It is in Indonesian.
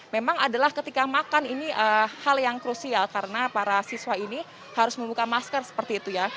memang adalah ketika makan ini hal yang krusial karena para siswa ini harus membuka masker seperti itu ya